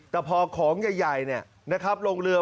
แต่พอของใหญ่ลงเรือ